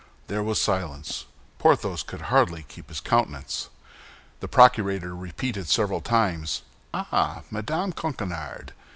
There was silence. Porthos could hardly keep his countenance. The procurator repeated several times, "Ah, Madame Coquenard!